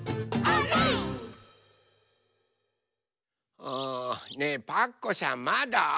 あねえパクこさんまだ？